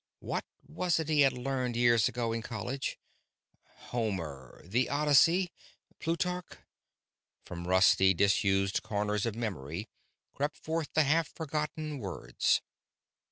What was it he had learned years ago in college? Homer "The Odyssey" Plutarch.... From rusty, disused corners of memory crept forth the half forgotten words.